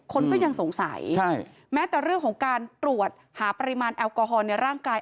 คนก็ยังสงสัยแม้แต่เรื่องของการตรวจหาปริมาณแอลกอฮอลในร่างกาย